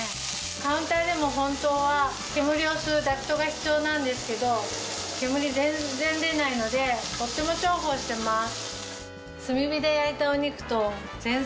カウンターでも本当は煙を吸うダクトが必要なんですけど煙全然出ないのでとっても重宝してます。